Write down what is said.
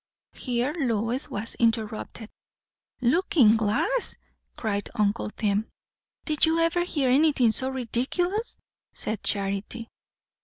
Here Lois was interrupted. "Looking glass!" cried uncle Tim. "Did you ever hear anything so ridiculous?" said Charity.